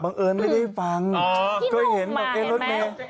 บังเอิญไม่ได้ฟังก็เห็นบอกไอรถมิว